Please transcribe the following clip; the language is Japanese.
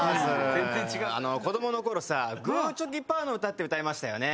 子供の頃さ『グーチョキパー』の歌って歌いましたよね。